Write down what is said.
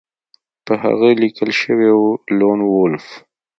په هغه لیکل شوي وو لون وولف